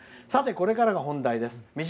これからが本題です。